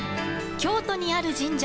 京都にある神社。